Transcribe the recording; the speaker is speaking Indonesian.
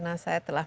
karya yang jugak